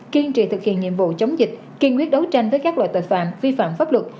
kiên trì thực hiện nhiệm vụ chống dịch kiên quyết đấu tranh với các loại tội phạm vi phạm pháp luật